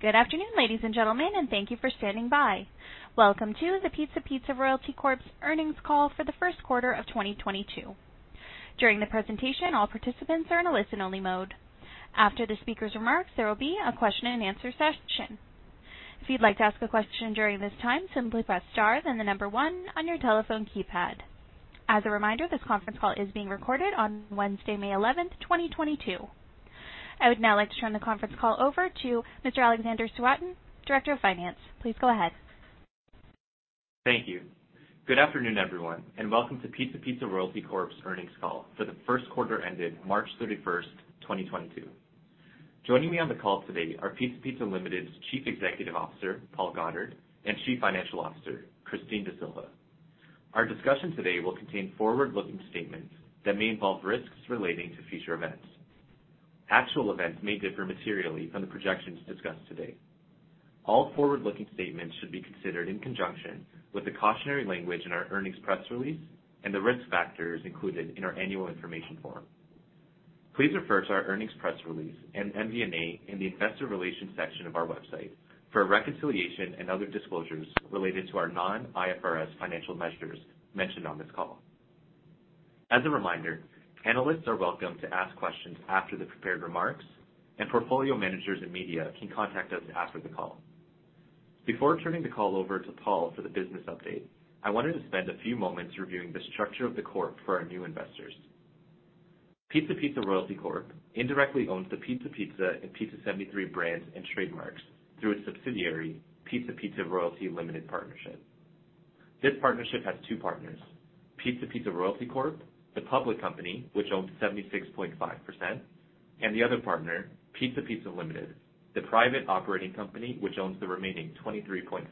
Good afternoon, ladies and gentlemen, and thank you for standing by. Welcome to the Pizza Pizza Royalty Corp.'s earnings call for the first quarter of 2022. During the presentation, all participants are in a listen only mode. After the speaker's remarks, there will be a question and answer session. If you'd like to ask a question during this time, simply press Star, then the number one on your telephone keypad. As a reminder, this conference call is being recorded on Wednesday, May 11, 2022. I would now like to turn the conference call over to Mr. Alexander Seurat Thank you. Good afternoon, everyone, and welcome to Pizza Pizza Royalty Corp's earnings call for the first quarter ended March 31, 2022. Joining me on the call today are Pizza Pizza Limited's Chief Executive Officer, Paul Goddard, and Chief Financial Officer, Christine D'Sylva. Our discussion today will contain forward-looking statements that may involve risks relating to future events. Actual events may differ materially from the projections discussed today. All forward-looking statements should be considered in conjunction with the cautionary language in our earnings press release and the risk factors included in our annual information form. Please refer to our earnings press release and MD&A in the investor relations section of our website for a reconciliation and other disclosures related to our non-IFRS financial measures mentioned on this call. As a reminder, analysts are welcome to ask questions after the prepared remarks, and portfolio managers and media can contact us after the call. Before turning the call over to Paul for the business update, I wanted to spend a few moments reviewing the structure of the Corp for our new investors. Pizza Pizza Royalty Corp indirectly owns the Pizza Pizza and Pizza 73 brands and trademarks through its subsidiary, Pizza Pizza Royalty Limited Partnership. This partnership has two partners, Pizza Pizza Royalty Corp, the public company, which owns 76.5%, and the other partner, Pizza Pizza Limited, the private operating company, which owns the remaining 23.5%.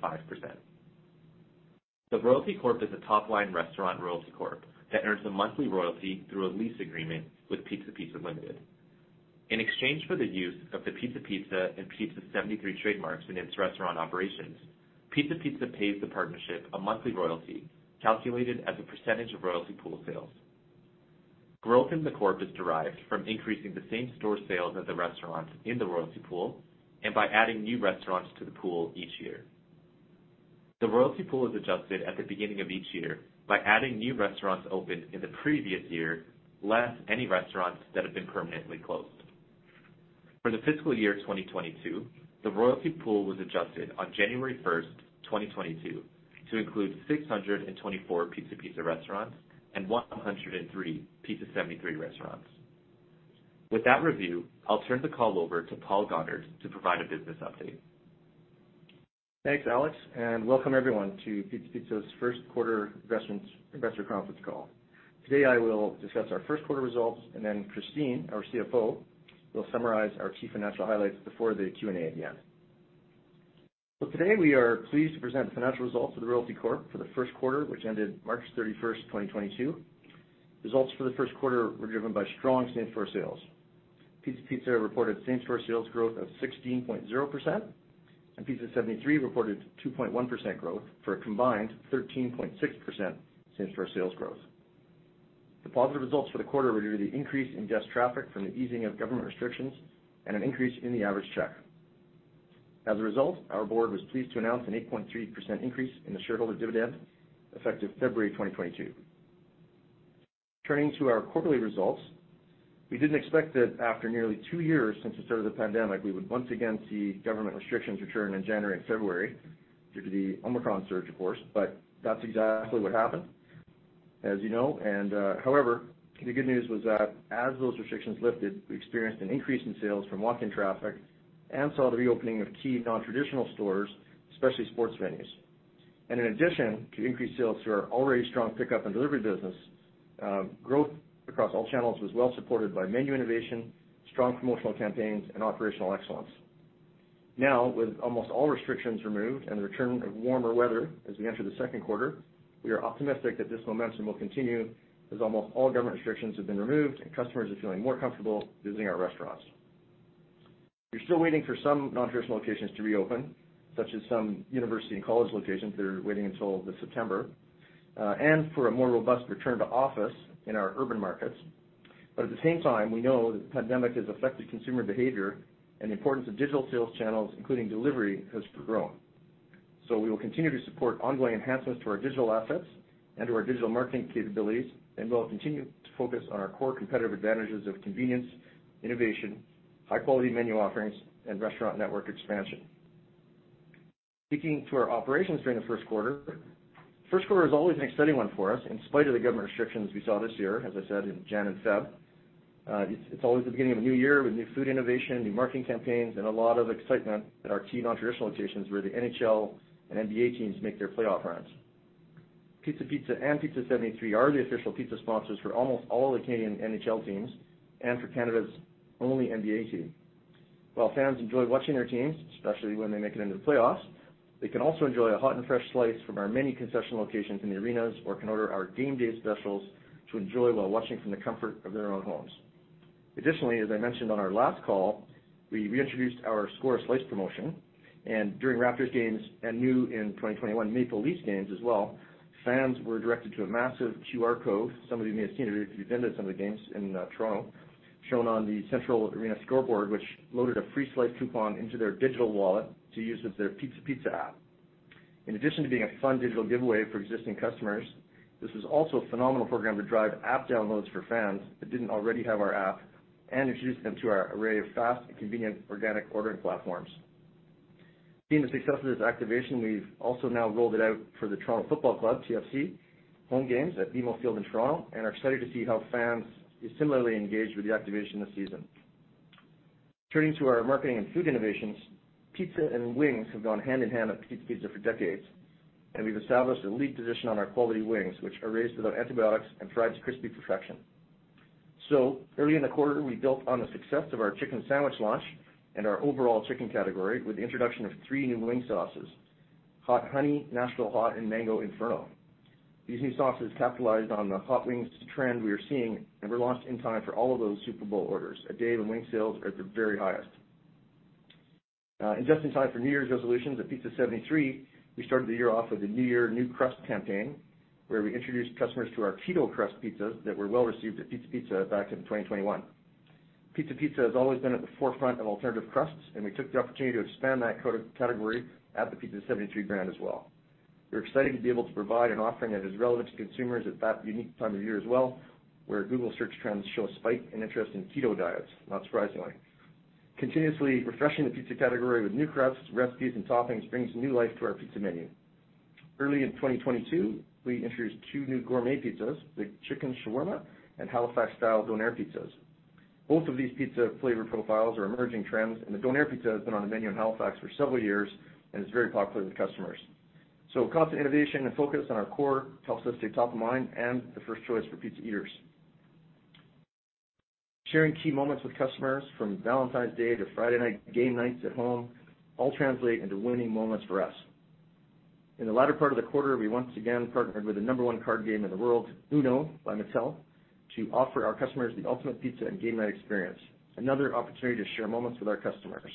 The Royalty Corp is a top-line restaurant royalty corp that earns a monthly royalty through a lease agreement with Pizza Pizza Limited. In exchange for the use of the Pizza Pizza and Pizza 73 trademarks in its restaurant operations, Pizza Pizza pays the partnership a monthly royalty calculated as a percentage of royalty pool sales. Growth in the Corp is derived from increasing the same store sales at the restaurant in the royalty pool and by adding new restaurants to the pool each year. The royalty pool is adjusted at the beginning of each year by adding new restaurants opened in the previous year, less any restaurants that have been permanently closed. For the fiscal year 2022, the royalty pool was adjusted on January 1, 2022 to include 624 Pizza Pizza restaurants and 103 Pizza 73 restaurants. With that review, I'll turn the call over to Paul Goddard to provide a business update. Thanks, Alex, and welcome everyone to Pizza Pizza's first quarter investor conference call. Today, I will discuss our first quarter results, and then Christine, our CFO, will summarize our key financial highlights before the Q&A at the end. Today, we are pleased to present the financial results of Pizza Pizza Royalty Corp. for the first quarter, which ended March 31, 2022. Results for the first quarter were driven by strong same-store sales. Pizza Pizza reported same-store sales growth of 16.0%, and Pizza 73 reported 2.1% growth for a combined 13.6% same-store sales growth. The positive results for the quarter were due to the increase in guest traffic from the easing of government restrictions and an increase in the average check. As a result, our board was pleased to announce an 8.3% increase in the shareholder dividend effective February 2022. Turning to our quarterly results, we didn't expect that after nearly two years since the start of the pandemic, we would once again see government restrictions return in January and February due to the Omicron surge, of course, but that's exactly what happened, as you know. However, the good news was that as those restrictions lifted, we experienced an increase in sales from walk-in traffic and saw the reopening of key non-traditional stores, especially sports venues. In addition to increased sales through our already strong pickup and delivery business, growth across all channels was well supported by menu innovation, strong promotional campaigns, and operational excellence. Now, with almost all restrictions removed and the return of warmer weather as we enter the second quarter, we are optimistic that this momentum will continue as almost all government restrictions have been removed and customers are feeling more comfortable visiting our restaurants. We're still waiting for some non-traditional locations to reopen, such as some university and college locations that are waiting until this September, and for a more robust return to office in our urban markets. At the same time, we know that the pandemic has affected consumer behavior and the importance of digital sales channels, including delivery, has grown. We will continue to support ongoing enhancements to our digital assets and to our digital marketing capabilities, and we'll continue to focus on our core competitive advantages of convenience, innovation, high-quality menu offerings, and restaurant network expansion. Speaking to our operations during the first quarter, the first quarter is always an exciting one for us in spite of the government restrictions we saw this year, as I said, in January and February. It's always the beginning of a new year with new food innovation, new marketing campaigns, and a lot of excitement at our key non-traditional locations where the NHL and NBA teams make their playoff runs. Pizza Pizza and Pizza 73 are the official pizza sponsors for almost all of the Canadian NHL teams and for Canada's only NBA team. While fans enjoy watching their teams, especially when they make it into the playoffs, they can also enjoy a hot and fresh slice from our many concession locations in the arenas or can order our game day specials to enjoy while watching from the comfort of their own homes. Additionally, as I mentioned on our last call, we reintroduced our Score a Slice promotion. During Raptors games and new in 2021, Maple Leafs games as well, fans were directed to a massive QR code. Some of you may have seen it if you've been to some of the games in Toronto, shown on the central arena scoreboard, which loaded a free slice coupon into their digital wallet to use with their Pizza Pizza app. In addition to being a fun digital giveaway for existing customers, this was also a phenomenal program to drive app downloads for fans that didn't already have our app and introduce them to our array of fast and convenient organic ordering platforms. Seeing the success of this activation, we've also now rolled it out for the Toronto FC, TFC, home games at BMO Field in Toronto and are excited to see how fans is similarly engaged with the activation this season. Turning to our marketing and food innovations, pizza and wings have gone hand in hand at Pizza Pizza for decades, and we've established a lead position on our quality wings, which are raised without antibiotics and fried to crispy perfection. Early in the quarter, we built on the success of our chicken sandwich launch and our overall chicken category with the introduction of three new wing sauces, Hot Honey, Nashville Hot, and Mango Inferno. These new sauces capitalized on the hot wings trend we are seeing and were launched in time for all of those Super Bowl orders, a day when wing sales are at their very highest. Just in time for New Year's resolutions at Pizza 73, we started the year off with a new year, new crust campaign, where we introduced customers to our Keto Crust pizzas that were well received at Pizza Pizza back in 2021. Pizza Pizza has always been at the forefront of alternative crusts, and we took the opportunity to expand that category at the Pizza 73 brand as well. We're excited to be able to provide an offering that is relevant to consumers at that unique time of year as well, where Google search trends show a spike in interest in keto diets, not surprisingly. Continuously refreshing the pizza category with new crusts, recipes, and toppings brings new life to our pizza menu. Early in 2022, we introduced two new gourmet pizzas, the Chicken Shawarma and Halifax-style Donair pizzas. Both of these pizza flavor profiles are emerging trends, and the Donair pizza has been on the menu in Halifax for several years and is very popular with customers. Constant innovation and focus on our core helps us stay top of mind and the first choice for pizza eaters. Sharing key moments with customers, from Valentine's Day to Friday night game nights at home, all translate into winning moments for us. In the latter part of the quarter, we once again partnered with the number one card game in the world, UNO by Mattel, to offer our customers the ultimate pizza and game night experience, another opportunity to share moments with our customers.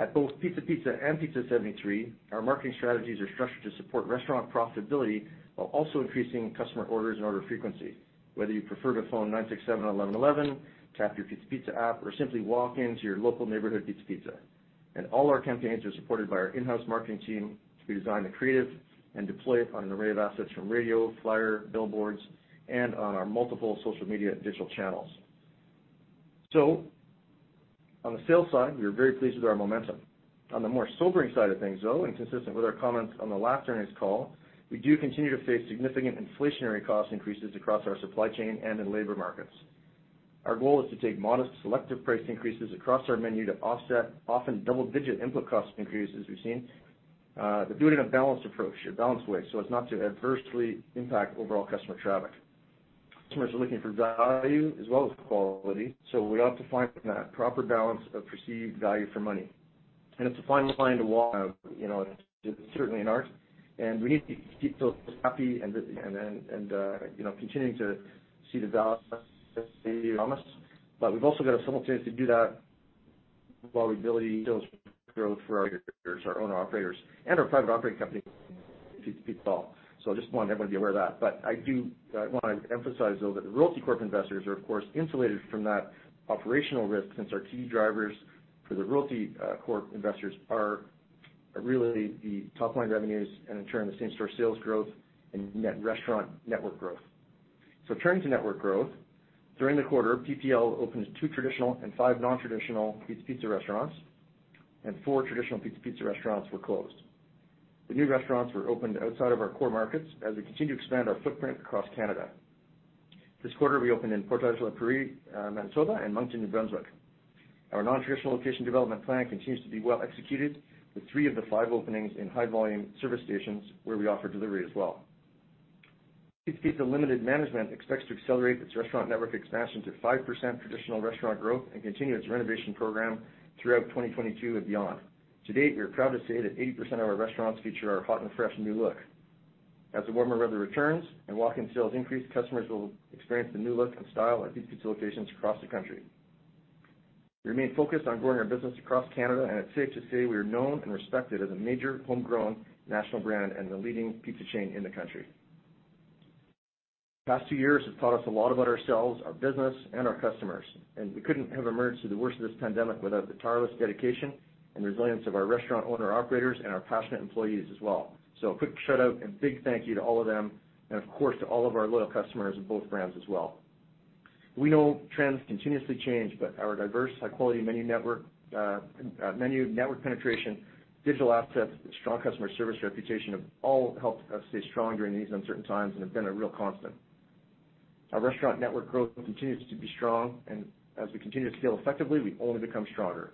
At both Pizza Pizza and Pizza 73, our marketing strategies are structured to support restaurant profitability while also increasing customer orders and order frequency, whether you prefer to phone 967-1111, tap your Pizza Pizza app, or simply walk into your local neighborhood Pizza Pizza. All our campaigns are supported by our in-house marketing team to be designed and created and deployed on an array of assets from radio, flyer, billboards, and on our multiple social media digital channels. On the sales side, we are very pleased with our momentum. On the more sobering side of things, though, and consistent with our comments on the last earnings call, we do continue to face significant inflationary cost increases across our supply chain and in labor markets. Our goal is to take modest selective price increases across our menu to offset often double-digit input cost increases we've seen, but do it in a balanced approach, a balanced way, so as not to adversely impact overall customer traffic. Customers are looking for value as well as quality, so we have to find that proper balance of perceived value for money. It's a fine line to walk, you know, it's certainly an art, and we need to keep those happy and continuing to see the value. We've also got to simultaneously do that while we build sales growth for our owners, our owner operators, and our private operating company, PPL. I just want everyone to be aware of that. I wanna emphasize, though, that the Royalty Corp. Investors are, of course, insulated from that operational risk since our key drivers for the Royalty Corp. investors are really the top-line revenues and, in turn, the same-store sales growth and net restaurant network growth. Turning to network growth, during the quarter, PPL opened two traditional and five nontraditional Pizza Pizza restaurants, and four traditional Pizza Pizza restaurants were closed. The new restaurants were opened outside of our core markets as we continue to expand our footprint across Canada. This quarter, we opened in Portage la Prairie, Manitoba, and Moncton, New Brunswick. Our nontraditional location development plan continues to be well executed, with three of the five openings in high-volume service stations where we offer delivery as well. Pizza Pizza Limited management expects to accelerate its restaurant network expansion to 5% traditional restaurant growth and continue its renovation program throughout 2022 and beyond. To date, we are proud to say that 80% of our restaurants feature our hot and fresh new look. As the warmer weather returns and walk-in sales increase, customers will experience the new look and style at Pizza Pizza locations across the country. We remain focused on growing our business across Canada, and it's safe to say we are known and respected as a major homegrown national brand and the leading pizza chain in the country. The past two years have taught us a lot about ourselves, our business, and our customers, and we couldn't have emerged through the worst of this pandemic without the tireless dedication and resilience of our restaurant owner operators and our passionate employees as well. A quick shout-out and big thank you to all of them and, of course, to all of our loyal customers of both brands as well. We know trends continuously change, but our diverse high-quality menu network penetration, digital assets, and strong customer service reputation have all helped us stay strong during these uncertain times and have been a real constant. Our restaurant network growth continues to be strong, and as we continue to scale effectively, we only become stronger.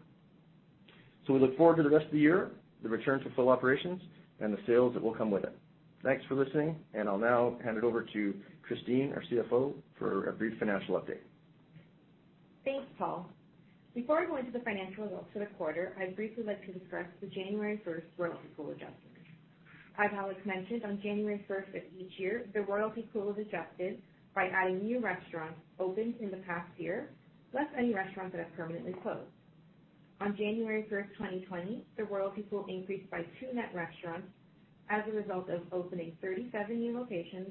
We look forward to the rest of the year, the return to full operations, and the sales that will come with it. Thanks for listening, and I'll now hand it over to Christine, our CFO, for a brief financial update. Thanks, Paul. Before I go into the financial results for the quarter, I'd briefly like to discuss the January 1 royalty pool adjustment. As Alex mentioned, on January 1 of each year, the royalty pool is adjusted by adding new restaurants opened in the past year, plus any restaurants that have permanently closed. On January 1, 2020, the royalty pool increased by two net restaurants as a result of opening 37 new locations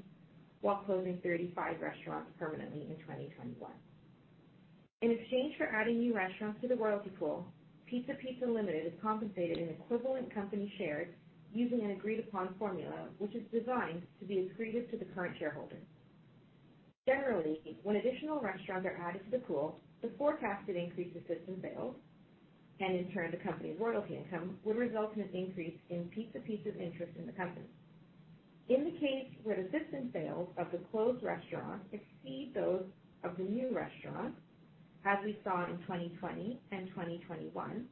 while closing 35 restaurants permanently in 2021. In exchange for adding new restaurants to the royalty pool, Pizza Pizza Limited is compensated in equivalent company shares using an agreed-upon formula, which is designed to be accretive to the current shareholders. Generally, when additional restaurants are added to the pool, the forecasted increase of system sales, and in turn, the company's royalty income, would result in an increase in Pizza Pizza's interest in the company. In the case where the system sales of the closed restaurants exceed those of the new restaurants, as we saw in 2020 and 2021,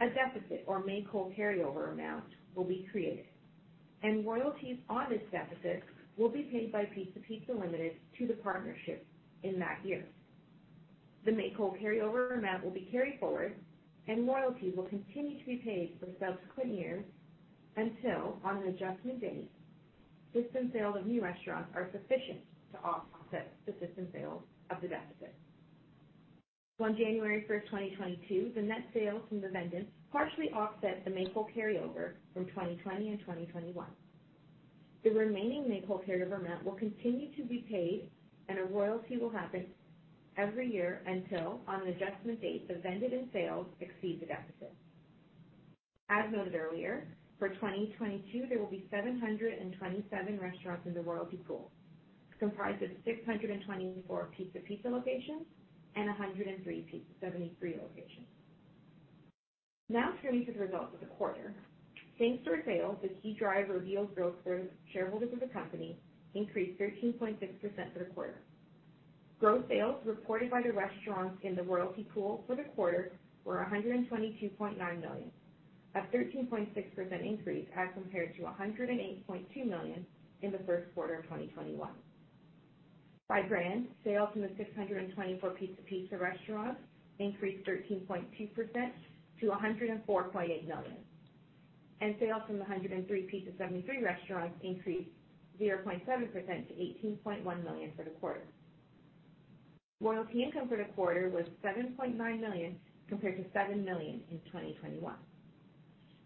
a deficit or make-whole carryover amount will be created, and royalties on this deficit will be paid by Pizza Pizza Limited to the partnership in that year. The make-whole carryover amount will be carried forward, and royalty will continue to be paid for subsequent years until, on an adjustment date, system sales of new restaurants are sufficient to offset the system sales of the deficit. On January 1, 2022, the net sales from the vend-in partially offset the make-whole carryover from 2020 and 2021. The remaining make-whole carryover amount will continue to be paid, and a royalty will happen every year until, on an adjustment date, the vend-in sales exceed the deficit. As noted earlier, for 2022, there will be 727 restaurants in the royalty pool, comprised of 624 Pizza Pizza locations and 103 Pizza 73 locations. Now turning to the results of the quarter. Thanks to retail, the key driver of yield growth for shareholders of the company increased 13.6% for the quarter. Gross sales reported by the restaurants in the royalty pool for the quarter were 122.9 million, a 13.6% increase as compared to 108.2 million in the first quarter of 2021. By brand, sales in the 624 Pizza Pizza restaurants increased 13.2% to 104.8 million, and sales from the 103 Pizza 73 restaurants increased 0.7% to 18.1 million for the quarter. Royalty income for the quarter was 7.9 million, compared to 7 million in 2021.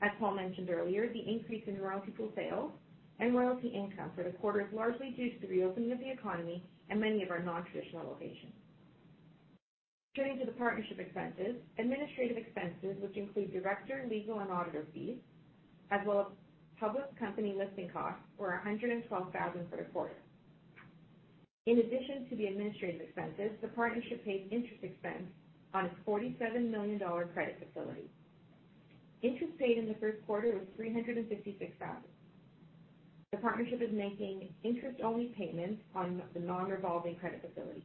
As Paul mentioned earlier, the increase in royalty pool sales and royalty income for the quarter is largely due to the reopening of the economy and many of our non-traditional locations. Turning to the partnership expenses. Administrative expenses, which include director, legal, and auditor fees, as well as public company listing costs, were 112 thousand for the quarter. In addition to the administrative expenses, the partnership paid interest expense on its 47 million dollar credit facility. Interest paid in the first quarter was 356,000. The partnership is making interest-only payments on the non-revolving credit facility.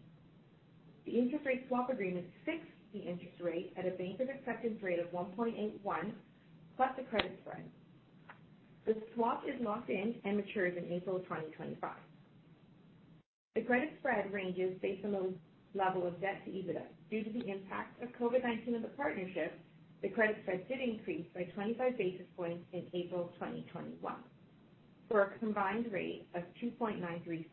The interest rate swap agreement fixed the interest rate at a Bankers' Acceptance rate of 1.81 plus the credit spread. The swap is locked in and matures in April 2025. The credit spread ranges based on the level of debt to EBITDA. Due to the impact of COVID-19 on the partnership, the credit spread did increase by 25 basis points in April 2021 for a combined rate of 2.935.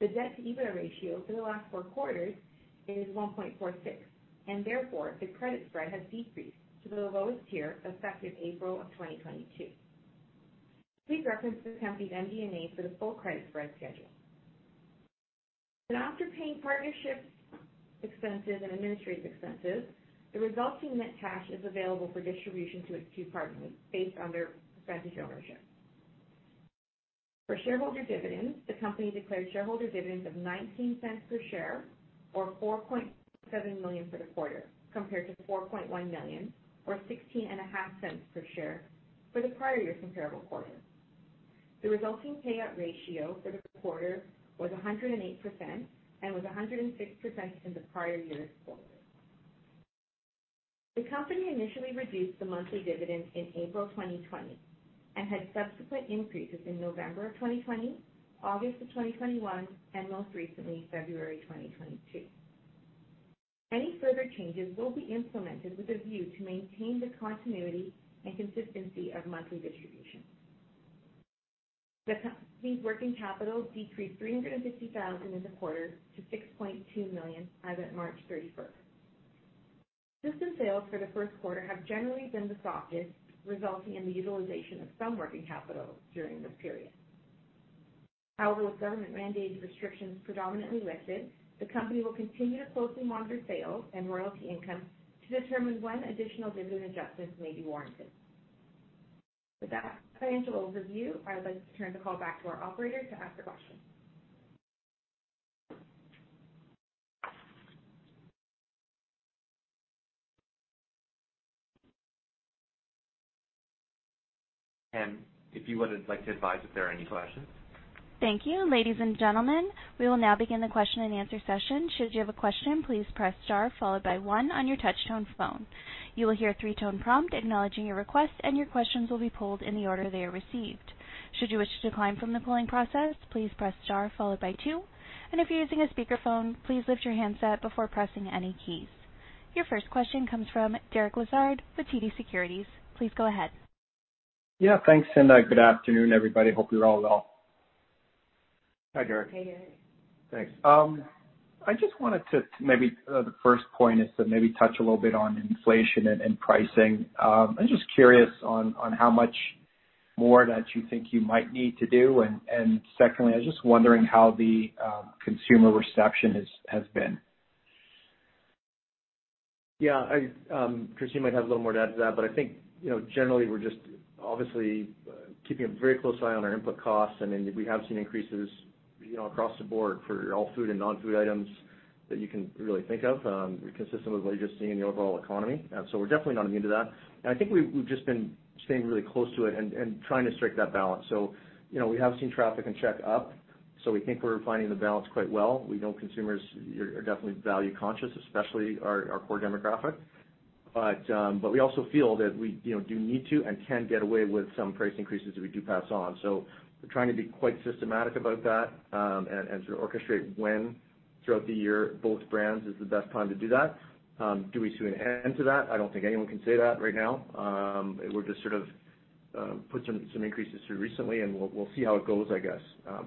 The debt-to-EBITDA ratio for the last four quarters is 1.46, and therefore, the credit spread has decreased to the lowest tier effective April 2022. Please reference the company's MD&A for the full credit spread schedule. After paying partnerships expenses and administrative expenses, the resulting net cash is available for distribution to its two partners based on their percentage ownership. For shareholder dividends, the company declared shareholder dividends of 0.19 per share, or 4.7 million for the quarter, compared to 4.1 million, or 0.165 per share for the prior year's comparable quarter. The resulting payout ratio for the quarter was 108% and was 106% in the prior year's quarter. The company initially reduced the monthly dividend in April 2020 and had subsequent increases in November 2020, August 2021, and most recently, February 2022. Any further changes will be implemented with a view to maintain the continuity and consistency of monthly distribution. The company's working capital decreased 350 thousand in the quarter to 6.2 million as of March 31st. System sales for the first quarter have generally been the softest, resulting in the utilization of some working capital during this period. However, with government-mandated restrictions predominantly lifted, the company will continue to closely monitor sales and royalty income to determine when additional dividend adjustments may be warranted. With that financial overview, I would like to turn the call back to our operator to ask a question. If you would like to advise if there are any questions. Thank you. Ladies and gentlemen, we will now begin the question-and-answer session. Should you have a question, please press star followed by one on your touch-tone phone. You will hear a three tone prompt acknowledging your request, and your questions will be pulled in the order they are received. Should you wish to decline from the polling process, please press star followed by two. If you're using a speakerphone, please lift your handset before pressing any keys. Your first question comes from Derek Lessard with TD Securities. Please go ahead. Yeah, thanks, Cinda. Good afternoon, everybody. Hope you're all well. Hi, Derek. Hey, Derek. Thanks. The first point is to maybe touch a little bit on inflation and pricing. I'm just curious on how much more that you think you might need to do. Secondly, I was just wondering how the consumer reception has been. Yeah, Christine might have a little more to add to that. I think, you know, generally, we're just obviously keeping a very close eye on our input costs, and then we have seen increases, you know, across the board for all food and non-food items that you can really think of, consistent with what you're just seeing in the overall economy. We're definitely not immune to that. I think we've just been staying really close to it and trying to strike that balance. You know, we have seen traffic and check up, so we think we're finding the balance quite well. We know consumers are definitely value conscious, especially our core demographic. We also feel that we, you know, do need to and can get away with some price increases if we do pass on. We're trying to be quite systematic about that, and to orchestrate when throughout the year both brands is the best time to do that. Do we see an end to that? I don't think anyone can say that right now. We're just sort of put some increases through recently, and we'll see how it goes, I guess.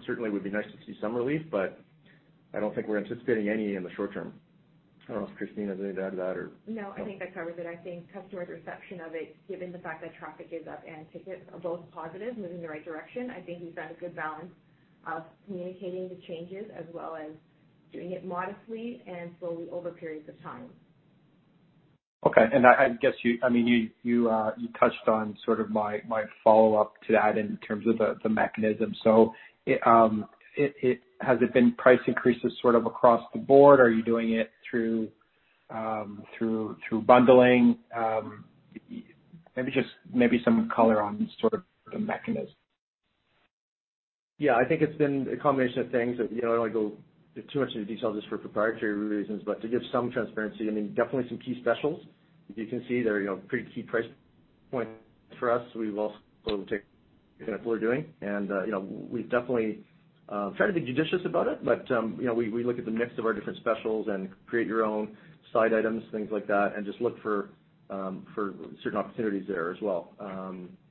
Certainly it would be nice to see some relief, but I don't think we're anticipating any in the short term. I don't know if Christine has anything to add to that or. No, I think that covers it. I think customers' reception of it, given the fact that traffic is up and tickets are both positive, moving in the right direction, I think we've got a good balance of communicating the changes as well as doing it modestly and slowly over periods of time. Okay. I guess, I mean, you touched on sort of my follow-up to that in terms of the mechanism. Has it been price increases sort of across the board? Are you doing it through bundling? Maybe some color on sort of the mechanism. Yeah. I think it's been a combination of things that, you know, I don't want to go too much into detail just for proprietary reasons, but to give some transparency, I mean, definitely some key specials. You can see there, you know, pretty key price points for us. We've also taken what we're doing, and, you know, we definitely try to be judicious about it, but, you know, we look at the mix of our different specials and create your own side items, things like that, and just look for certain opportunities there as well.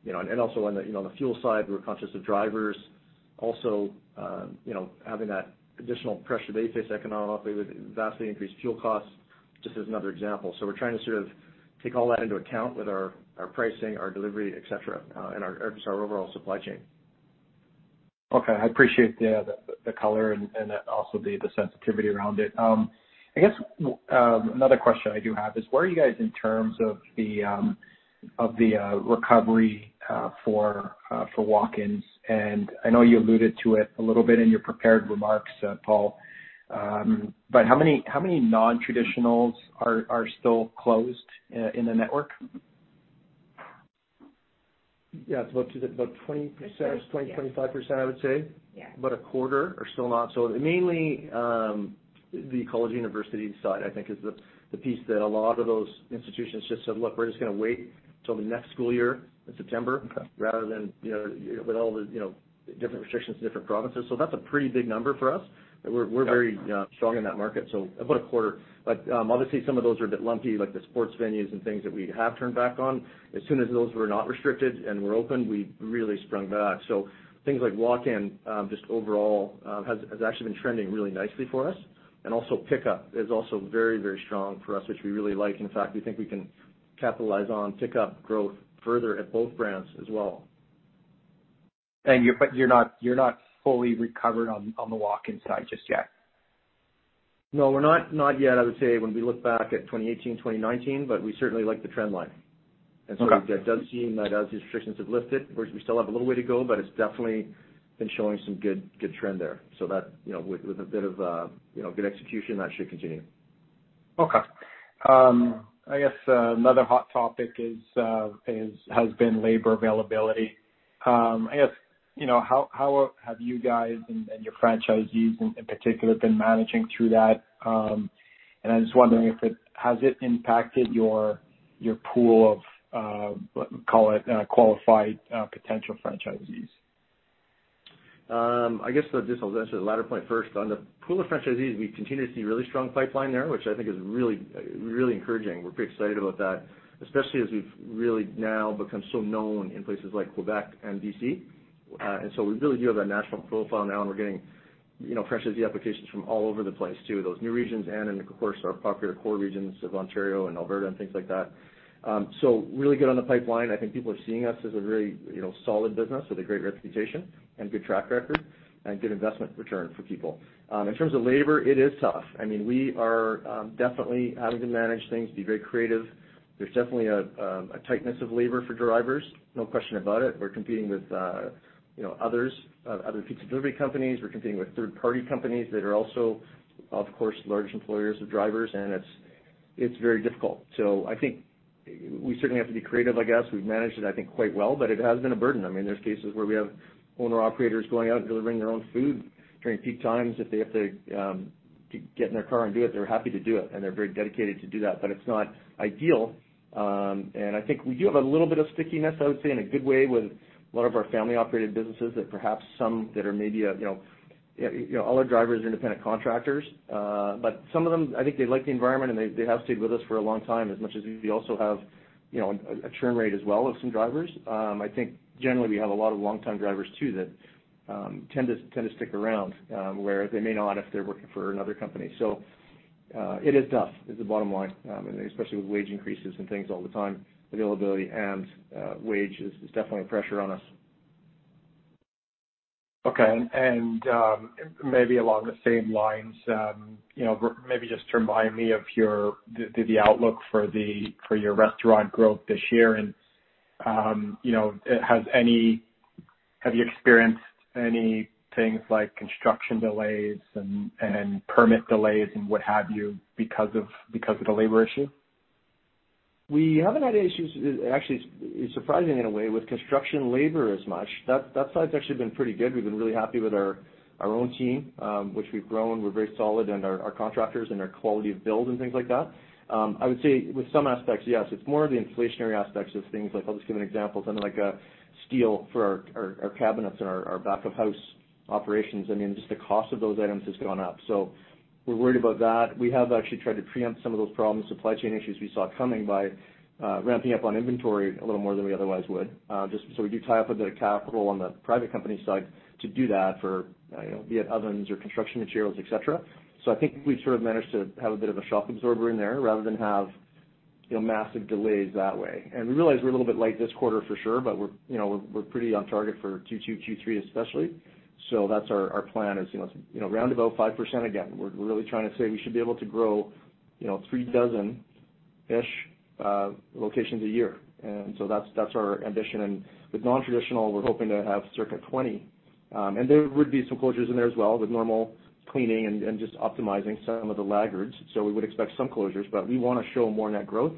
You know, and also on the fuel side, we're conscious of drivers also, you know, having that additional pressure they face economically with vastly increased fuel costs, just as another example. We're trying to sort of take all that into account with our pricing, our delivery, et cetera, and our overall supply chain. Okay. I appreciate the color and also the sensitivity around it. I guess another question I do have is where are you guys in terms of the recovery for walk-ins? I know you alluded to it a little bit in your prepared remarks, Paul, but how many non-traditionals are still closed in the network? Yeah. It's about 20%, 20%-25%, I would say. Yeah. About a quarter are still not. Mainly, the college university side, I think is the piece that a lot of those institutions just said, "Look, we're just gonna wait till the next school year in September," rather than, you know, with all the, you know, different restrictions in different provinces. That's a pretty big number for us. We're very strong in that market, so about a quarter. Obviously, some of those are a bit lumpy, like the sports venues and things that we have turned back on. As soon as those were not restricted and were open, we really sprung back. Things like walk-in just overall has actually been trending really nicely for us. Also pickup is also very, very strong for us, which we really like. In fact, we think we can capitalize on pickup growth further at both brands as well. You're not fully recovered on the walk-in side just yet. No, we're not yet. I would say when we look back at 2018, 2019, but we certainly like the trend line. Okay. It does seem that as these restrictions have lifted, we still have a little way to go, but it's definitely been showing some good trend there. That, you know, with a bit of, you know, good execution, that should continue. Okay. I guess another hot topic has been labor availability. I guess, you know, how have you guys and your franchisees in particular been managing through that? I'm just wondering has it impacted your pool of call it qualified potential franchisees? I guess just I'll answer the latter point first. On the pool of franchisees, we continue to see really strong pipeline there, which I think is really, really encouraging. We're pretty excited about that, especially as we've really now become so known in places like Quebec and BC. We really do have that national profile now, and we're getting, you know, franchisee applications from all over the place to those new regions and in, of course, our popular core regions of Ontario and Alberta and things like that. Really good on the pipeline. I think people are seeing us as a very, you know, solid business with a great reputation and good track record and good investment return for people. In terms of labor, it is tough. I mean, we are definitely having to manage things, be very creative. There's definitely a tightness of labor for drivers, no question about it. We're competing with, you know, others, other pizza delivery companies. We're competing with third-party companies that are also, of course, large employers of drivers, and it's very difficult. I think we certainly have to be creative, I guess. We've managed it, I think, quite well, but it has been a burden. I mean, there's cases where we have owner-operators going out and delivering their own food during peak times. If they have to get in their car and do it, they're happy to do it, and they're very dedicated to do that, but it's not ideal. I think we do have a little bit of stickiness, I would say, in a good way with a lot of our family-operated businesses. Yeah, all our drivers are independent contractors. Some of them, I think they like the environment, and they have stayed with us for a long time as much as we also have, you know, a churn rate as well of some drivers. I think generally we have a lot of long-time drivers too that tend to stick around where they may not if they are working for another company. It is tough, is the bottom line, especially with wage increases and things all the time, availability and wage is definitely a pressure on us. Okay. Maybe along the same lines, you know, maybe just remind me of the outlook for your restaurant growth this year. You know, have you experienced any things like construction delays and permit delays and what have you because of the labor issue? We haven't had issues, actually, surprisingly in a way, with construction labor as much. That side's actually been pretty good. We've been really happy with our own team, which we've grown. We're very solid and our contractors and our quality of build and things like that. I would say with some aspects, yes, it's more of the inflationary aspects of things like, I'll just give an example, something like steel for our cabinets and our back-of-house operations. I mean, just the cost of those items has gone up. We're worried about that. We have actually tried to preempt some of those problems, supply chain issues we saw coming by ramping up on inventory a little more than we otherwise would. Just so we do tie up a bit of capital on the private company side to do that for, you know, be it ovens or construction materials, et cetera. I think we've sort of managed to have a bit of a shock absorber in there rather than have, you know, massive delays that way. We realize we're a little bit light this quarter for sure, but you know, we're pretty on target for Q2, Q3 especially. That's our plan is, you know, it's, you know, round about 5% again. We're really trying to say we should be able to grow, you know, 3 dozen-ish locations a year. That's our ambition. With nontraditional, we're hoping to have circa 20. There would be some closures in there as well with normal cleaning and just optimizing some of the laggards. We would expect some closures, but we want to show more net growth.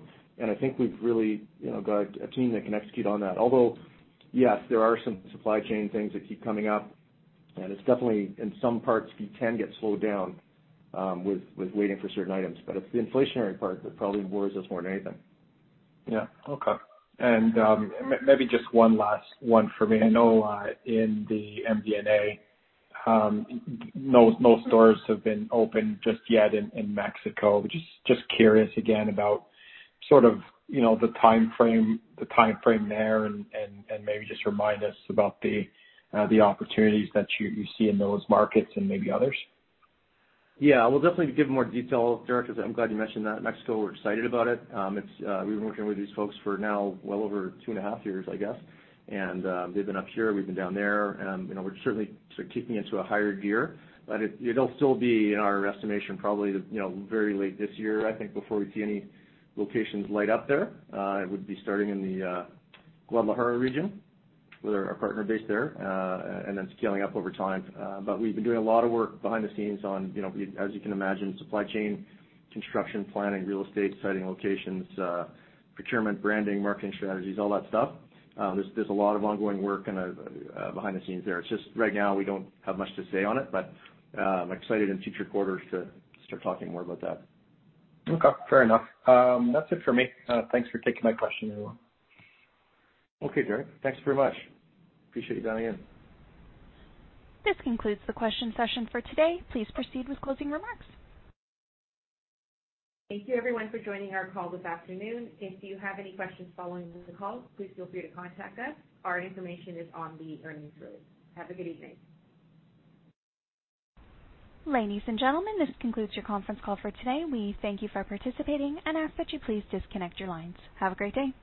I think we've really, you know, got a team that can execute on that. Although, yes, there are some supply chain things that keep coming up, and it's definitely in some parts we can get slowed down with waiting for certain items. But it's the inflationary part that probably worries us more than anything. Yeah. Okay. Maybe just one last one for me. I know in the MD&A no stores have been opened just yet in Mexico. Just curious again about sort of, you know, the timeframe there and maybe just remind us about the opportunities that you see in those markets and maybe others. Yeah, we'll definitely give more detail. Derek, I'm glad you mentioned that. Mexico, we're excited about it. We've been working with these folks for now well over two and a half years, I guess. They've been up here, we've been down there. You know, we're certainly sort of kicking into a higher gear, but it'll still be, in our estimation, probably the you know, very late this year, I think, before we see any locations light up there. It would be starting in the Guadalajara region where our partner based there, and then scaling up over time. But we've been doing a lot of work behind the scenes on, you know, as you can imagine, supply chain, construction, planning, real estate, siting locations, procurement, branding, marketing strategies, all that stuff. There's a lot of ongoing work and behind the scenes there. It's just right now we don't have much to say on it, but excited in future quarters to start talking more about that. Okay, fair enough. That's it for me. Thanks for taking my question, everyone. Okay, Derek. Thanks very much. Appreciate you dialing in. This concludes the question session for today. Please proceed with closing remarks. Thank you everyone for joining our call this afternoon. If you have any questions following this call, please feel free to contact us. Our information is on the earnings release. Have a good evening. Ladies and gentlemen, this concludes your conference call for today. We thank you for participating and ask that you please disconnect your lines. Have a great day.